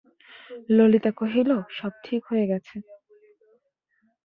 ললিতা কহিল, সব ঠিক হয়ে গেছে।